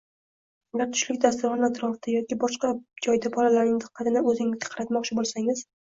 Agar tushlik dasturxoni atrofida yoki boshqa joyda bolalarning diqqatini o‘ztingizga qaratmoqchi bo‘lsangiz